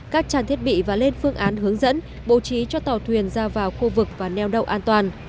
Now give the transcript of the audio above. các tràn thiết bị và lên phương án hướng dẫn bố trí cho tàu thuyền ra vào khu vực và neo đậu an toàn